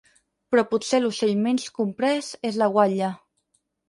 Però potser l'ocell menys comprès és la guatlla.